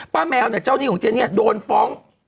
แมวเนี่ยเจ้าหนี้ของเจเนี่ยโดนฟ้อง